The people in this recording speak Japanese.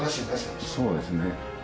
そうですね。